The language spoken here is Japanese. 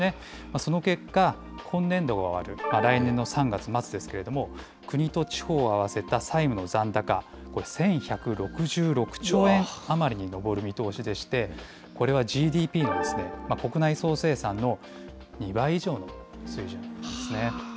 その結果、今年度が終わる来年の３月末ですけれども、国と地方を合わせた債務の残高、これ、１１６６兆円余りに上る見通しでして、これはＧＤＰ・国内総生産の２倍以上の水準なんですね。